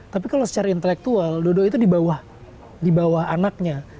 tapi kalau secara intelektual dodo itu di bawah anaknya